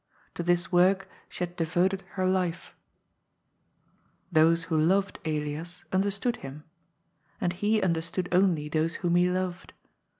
To this work she had devoted her life. 140 GOD'S FOOL. Those who loved Elias understood him. And he un derstood only those whom he loved.